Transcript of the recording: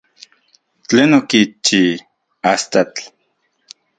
¿Tlen okichi astatl?